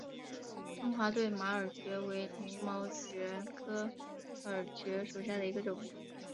中华对马耳蕨为鳞毛蕨科耳蕨属下的一个种。